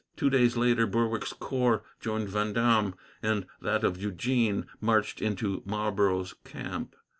Two days later, Berwick's corps joined Vendome, and that of Eugene marched into Marlborough's camp.